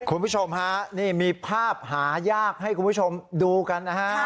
คุณผู้ชมฮะนี่มีภาพหายากให้คุณผู้ชมดูกันนะฮะ